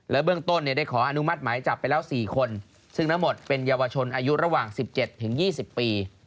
เบื้องต้นได้ขออนุมัติหมายจับไปแล้ว๔คนซึ่งทั้งหมดเป็นเยาวชนอายุระหว่าง๑๗๒๐ปี